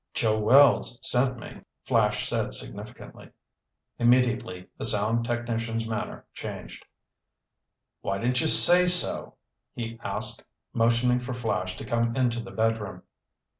"Joe Wells sent me," Flash said significantly. Immediately the sound technician's manner changed. "Why didn't you say so?" he asked, motioning for Flash to come into the bedroom.